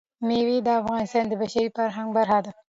مېوې د افغانستان د بشري فرهنګ برخه ده.